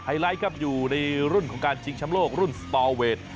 ไลท์ครับอยู่ในรุ่นของการชิงชำโลกรุ่นสปอร์เวท